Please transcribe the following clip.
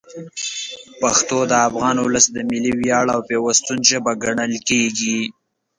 پښتو د افغان ولس د ملي ویاړ او پیوستون ژبه ګڼل کېږي.